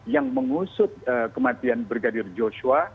yang mengusut kematian brigadir joshua